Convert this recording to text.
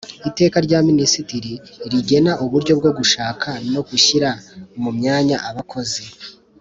Iteka rya Minisitiri rigena uburyo bwo gushaka no gushyira mu myanya Abakozi